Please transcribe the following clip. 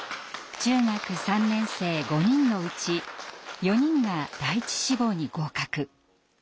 中学３年生５人のうち４人が第１志望に合格。